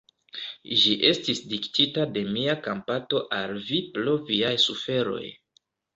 Ĝi estis diktita de mia kompato al vi pro viaj suferoj.